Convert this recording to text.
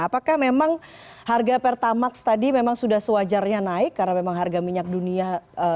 apakah memang harga pertamax tadi memang sudah sewajarnya naik karena memang harga minyak dunia